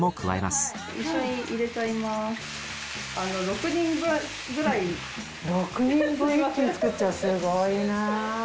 すごいな。